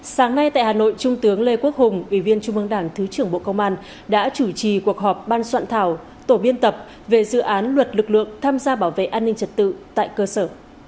sáng nay tại hà nội trung tướng lê quốc hùng ủy viên trung ương đảng thứ trưởng bộ công an đã chủ trì cuộc họp ban soạn thảo tổ biên tập về dự án luật lực lượng tham gia bảo vệ an ninh trật tự tại cơ sở